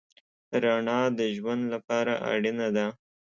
رڼا د ژوند لپاره اړینه ده.